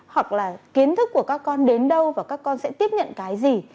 hoặc là kiến thức của các con đến đâu và các con sẽ tiếp nhận cái gì